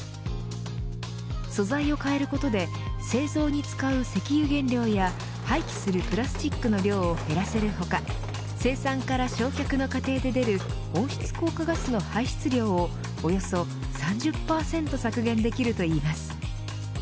素材を変えることで製造に使う石油原料や廃棄するプラスチックの量を減らせる他生産から焼却の過程で出る温室効果ガスの排出量をおよそ３０％削減できるといいます。